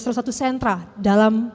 salah satu sentra dalam